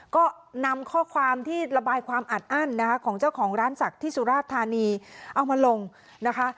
ก็นำข้อความที่ระบายความอัดอั้นนะคะของเจ้าของร้านศักดิ์ที่สุราชธานีเอามาลงนะคะ